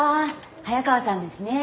早川さんですね。